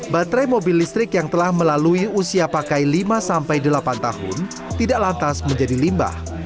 baterai mobil listrik yang telah melalui usia pakai lima delapan tahun tidak lantas menjadi limbah